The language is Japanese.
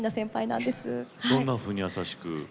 どんなふうに優しく？